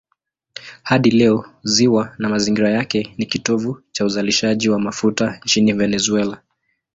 Hadi leo ziwa na mazingira yake ni kitovu cha uzalishaji wa mafuta nchini Venezuela.